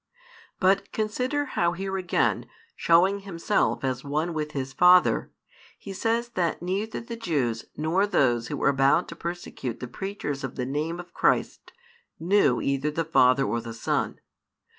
But consider how here again, showing Himself as One with His Father, He says that neither the Jews nor those who were about to persecute the preachers of the Name of Christ, knew either the Father or the Son.